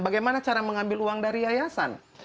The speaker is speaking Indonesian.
bagaimana cara mengambil uang dari yayasan